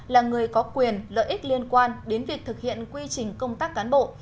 là người có quyền lợi ích liên quan đến việc thực hiện quy trình công tác cán bộ